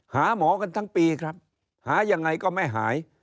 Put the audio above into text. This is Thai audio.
หาหมอกันทั้งปีครับหายังไงก็ไม่หาย